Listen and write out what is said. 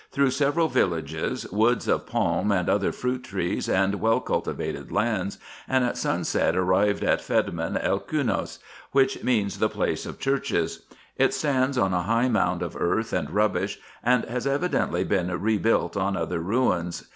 389 through several villages, woods of palm and other fruit trees, and well cultivated lands, and at sunset arrived at Fedmin el Kunois, which means the Place of Churches : it stands on a high mound of earth and rubbish, and has evidently been rebuilt on other ruins.